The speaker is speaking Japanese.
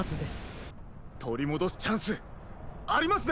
とりもどすチャンスありますね！